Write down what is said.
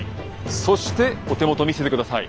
そしてお手元見せてください。